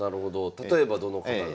例えばどの方が？